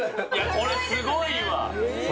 これ、すごいわ。